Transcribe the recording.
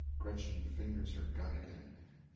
(GRETCHEN fingers her gun again.) GEO.